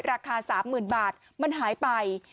ราคา๓๐๐๐บาทมันหายไป